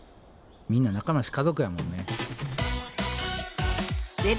みんな仲間やし家族やもんね。